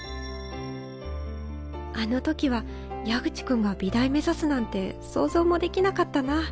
あのときは矢口君が美大目指すなんて想像もできなかったな。